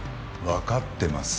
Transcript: わかってます。